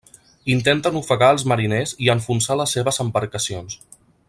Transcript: Intenten ofegar als mariners i enfonsar les seves embarcacions.